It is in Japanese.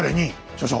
所長！